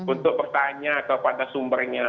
untuk bertanya kepada sumbernya